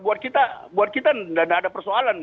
buat kita tidak ada persoalan